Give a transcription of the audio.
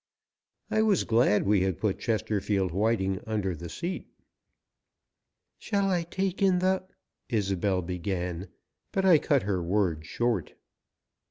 I was glad we had put Chesterfield Whiting under the seat. "Shall I take in the " Isobel began, but I cut her words short.